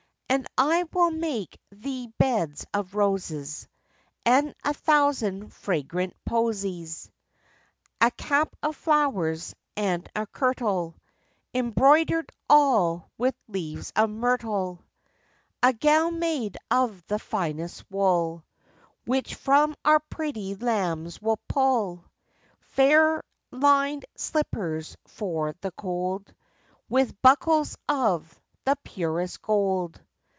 And I will make thee beds of roses, And a thousand fragrant posies: A cap of flowers, and a kirtle, Embroider'd all with leaves of myrtle. A gown made of the finest wool, Which from our pretty lambs we'll pull; Fair lined slippers for the cold, With buckles of the purest gold.